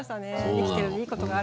生きてるといいことがある。